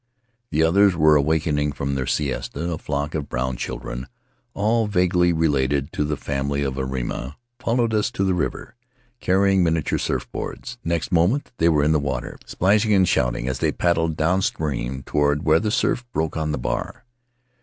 The others were awakening from their siesta; a flock of brown children, all vaguely related to the family of Airima, followed us to the river, carrying miniature surf boards. Next moment they were in the water, splashing and shouting as they paddled downstream toward where the surf broke on the bar.